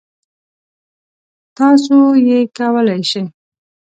تاسو یې کولای شی.